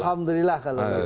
alhamdulillah kalau begitu